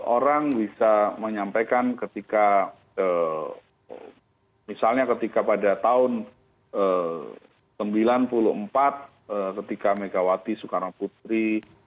orang bisa menyampaikan ketika misalnya ketika pada tahun seribu sembilan ratus sembilan puluh empat ketika megawati soekarno putri